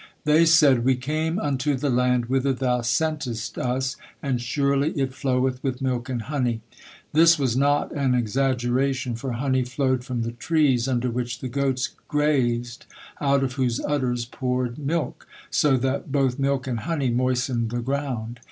They said: "We came unto the land whither thou sentest us, and surely it floweth with milk and honey." This was not an exaggeration, for honey flowed from the trees under which the goats grazed, out of whose udders poured mile, so that both mile and honey moistened the ground.